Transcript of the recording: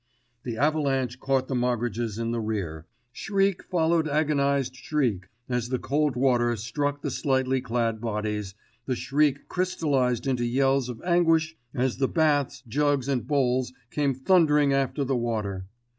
The avalanche caught the Moggridges in the rear, shriek followed agonised shriek, as the cold water struck the slightly clad bodies, the shrieks crystallised into yells of anguish as the baths, jugs and bowls came thundering after the water.